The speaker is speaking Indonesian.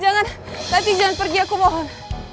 jangan nanti jangan pergi aku mohon